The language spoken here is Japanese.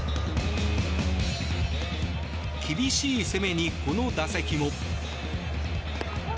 厳しい攻めにこの打席も。